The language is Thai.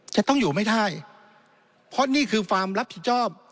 จะต้องอยู่ไหมที่ไหนเพราะนี่คือความรับผิดความพิจกราบ